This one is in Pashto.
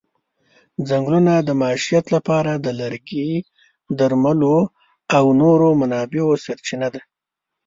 ځنګلونه د معیشت لپاره د لرګي، درملو او نورو منابعو سرچینه ده.